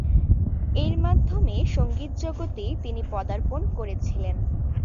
এর মাধ্যমে সঙ্গীত জগতে তিনি পদার্পণ করেছিলেন।